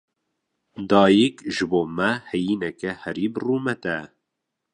Dayîk, ji bo me heyîneke herî birûmet e.